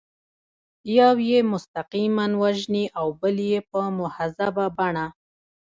یو یې مستقیماً وژني او بل یې په مهذبه بڼه.